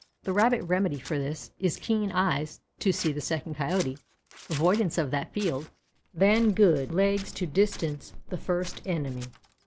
The Rabbit remedy for this, is keen eyes to see the second Coyote, avoidance of that field, then good legs to distance the first enemy.